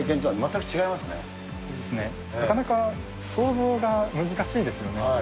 なかなか想像が難しいですよね。